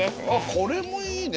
これもいいね。